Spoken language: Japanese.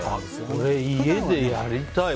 これ、家でやりたい！